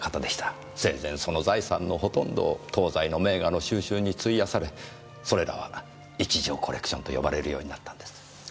生前その財産のほとんどを東西の名画の収集に費やされそれらは一条コレクションと呼ばれるようになったんです。